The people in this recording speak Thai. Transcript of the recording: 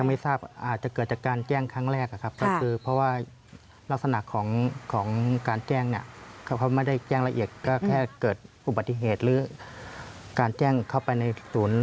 ไม่ทราบอาจจะเกิดจากการแจ้งครั้งแรกนะครับก็คือเพราะว่าลักษณะของการแจ้งเนี่ยเขาไม่ได้แจ้งละเอียดก็แค่เกิดอุบัติเหตุหรือการแจ้งเข้าไปในศูนย์